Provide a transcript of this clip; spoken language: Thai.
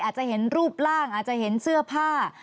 อาจจะเห็นรูปร่างอาจจะเห็นเสื้อผ้า